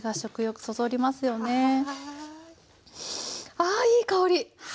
ああいい香り！